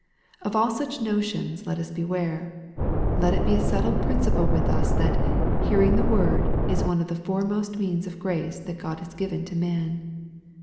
Of all such notions let us be ware. Let it be a settled principle with us that " hearing the word," is one of the foremost means of grace that God has given to man.